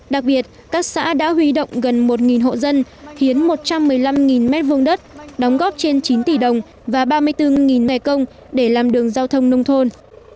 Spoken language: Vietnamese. đặc biệt các xã đã huy động gần một hộ dân hiến một trăm một mươi năm m hai đất đóng góp trên chín tỷ đồng và ba mươi bốn ngày công để làm đường giao thông nông thôn